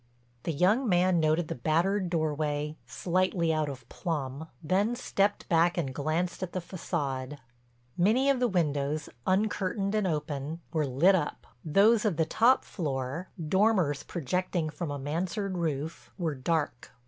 The young man noted the battered doorway, slightly out of plumb, then stepped back and glanced at the façade. Many of the windows, uncurtained and open, were lit up. Those of the top floor—dormers projecting from a mansard roof—were dark.